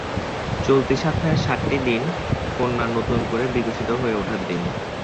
চলতি সপ্তাহের সাতটি দিন কন্যার নতুন করে বিকশিত হয়ে ওঠার দিন।